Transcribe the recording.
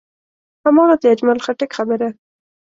هماغه د اجمل خټک خبره.